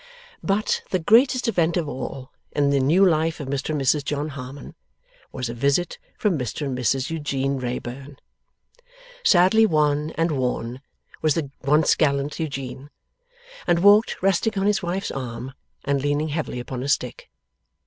But, the greatest event of all, in the new life of Mr and Mrs John Harmon, was a visit from Mr and Mrs Eugene Wrayburn. Sadly wan and worn was the once gallant Eugene, and walked resting on his wife's arm, and leaning heavily upon a stick.